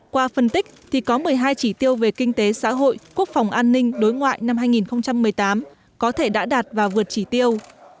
qua phân tích thì có một mươi hai chỉ tiêu về kinh tế xã hội quốc phòng an ninh đối ngoại năm hai nghìn một mươi tám có thể đã đạt và vượt chỉ tiêu